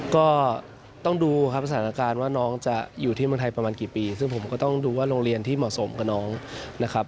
ก็ต้องดูครับสถานการณ์ว่าน้องจะอยู่ที่เมืองไทยประมาณกี่ปีซึ่งผมก็ต้องดูว่าโรงเรียนที่เหมาะสมกับน้องนะครับ